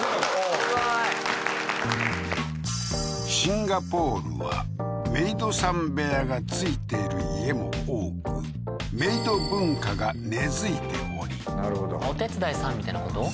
すごいシンガポールはメイドさん部屋が付いている家も多くメイド文化が根づいておりなるほどお手伝いさんみたいなこと？